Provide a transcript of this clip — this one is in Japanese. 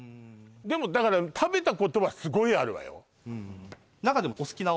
でもだから食べたことはすごいあるわよ